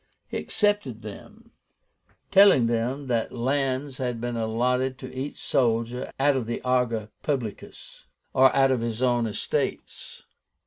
He accepted them, telling them that lands had been allotted to each soldier out of the ager publicus, or out of his own estates.